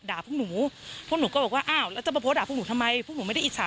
พวกหนูพวกหนูก็บอกว่าอ้าวแล้วจะมาโพสต์ด่าพวกหนูทำไมพวกหนูไม่ได้อิจฉา